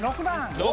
６番